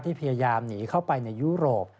พยายามหนีเข้าไปในยุโรป